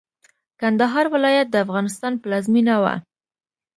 کندهار ولايت د افغانستان پلازمېنه وه.